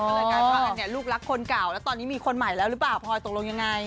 เพราะอันนี้ลูกรักคนเก่าแล้วตอนนี้มีคนใหม่แล้วหรือเปล่าพลอยตกลงยังไง